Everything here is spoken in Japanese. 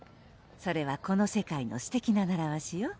それはこの世界のすてきな習わしよ